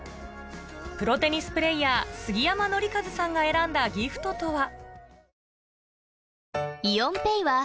プロテニスプレーヤー杉山記一さんが選んだギフトとは？